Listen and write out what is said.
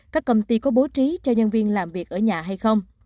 các công ty có bố trí cho nhân viên làm việc ở nhà hay không